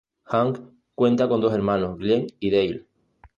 Hank cuenta con dos hermanos, Glenn y Dale.